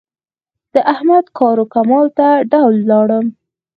د احمد کار و کمال ته ډول ولاړم.